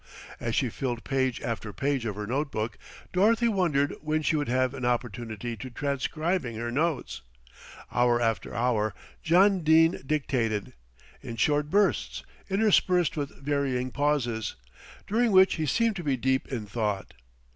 As she filled page after page of her note book, Dorothy wondered when she would have an opportunity of transcribing her notes. Hour after hour John Dene dictated, in short bursts, interspersed with varying pauses, during which he seemed to be deep in thought.